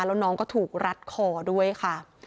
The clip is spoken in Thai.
แล้วน้องก็ถูกรัดคอด้วยค่ะ